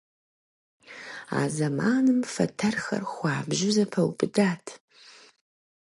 А зэманым фэтэрхэр хуабжьу зэпэубыдат.